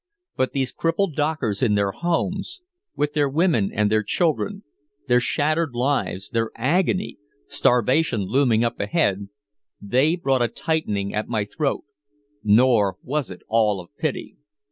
But these crippled dockers in their homes, with their women and their children, their shattered lives, their agony, starvation looming up ahead they brought a tightening at my throat nor was it all of pity.